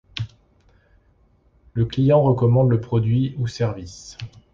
Le client recommande le produit ou service.